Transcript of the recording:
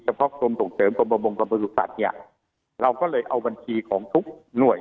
เฉพาะกรมต่งเติมกรมบำรุกษัตริย์เนี่ยเราก็เลยเอาบัญชีของทุกหน่วย